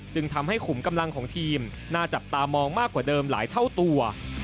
จึงทำให้ขุมกำลังของทีมน่าจับตามองมากกว่าเดิมหลายเท่าตัว